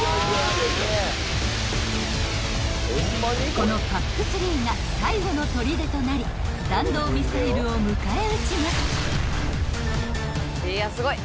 ［このＰＡＣ−３が最後のとりでとなり弾道ミサイルを迎え撃ちます］